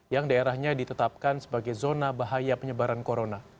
yang daerahnya ditetapkan sebagai zona bahaya penyebaran corona